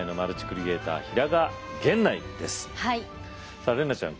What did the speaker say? さあ怜奈ちゃん